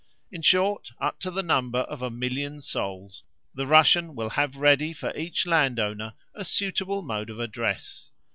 In short, up to the number of a million souls the Russian will have ready for each landowner a suitable mode of address.